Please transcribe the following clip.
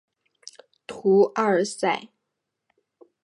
图阿尔塞。